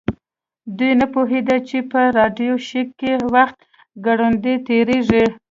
دوی نه پوهیدل چې په راډیو شیک کې وخت ګړندی تیریږي